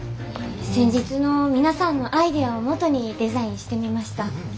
先日の皆さんのアイデアを基にデザインしてみました。